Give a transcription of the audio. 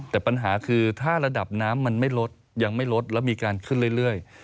แต่ปัญหาคือถ้าระดับน้ำมันไม่ลดยังไม่ลดแล้วมีการขึ้นเรื่อย